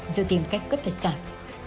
giữa tìm cách cất thật sản